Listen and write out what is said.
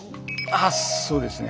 あっそうですね。